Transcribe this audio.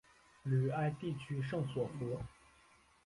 吕埃地区圣索弗。